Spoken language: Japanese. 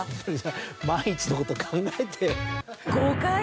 万一のこと考えて。